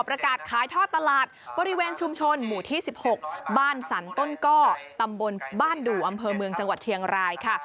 ประกาศขายท่อตลาดบริเวณชุมชนหมู่ที่๑๖บ้านสรรต้นก้อตำบลบ้านดู่อำเภอเมืองจังหวัดเชียงรายค่ะ